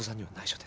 はい。